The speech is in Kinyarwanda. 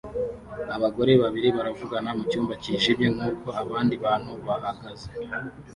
Abagore babiri bavugana mucyumba cyijimye nkuko abandi bantu bahagaze